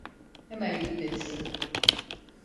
Hemen gitmelisin.